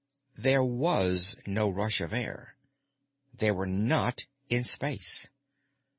There was no rush of air. They were not in space.